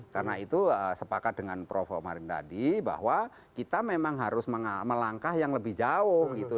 karena itu sepakat dengan prof omarin tadi bahwa kita memang harus melangkah yang lebih jauh gitu